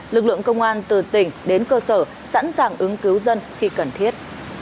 lực lượng công an từ tỉnh đến cơ sở sẵn sàng ứng cứu dân khi cần thiết